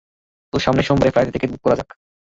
তো, সামনের সোমবারে ফ্লাইটের টিকিট বুক করা যাক।